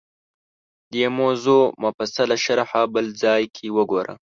دې موضوع مفصله شرحه بل ځای کې وګورو